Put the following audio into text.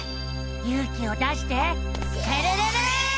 ゆう気を出してスクるるる！